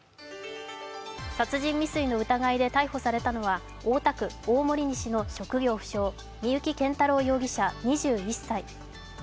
殺人未遂の疑いで逮捕されたのは大田区大森西の職業不詳三幸謙太郎容疑者、２１歳。